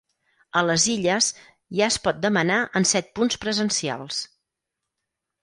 A les Illes ja es pot demanar en set punts presencials.